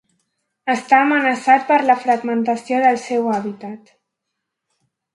Està amenaçat per la fragmentació del seu hàbitat.